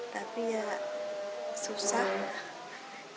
tapi ya susah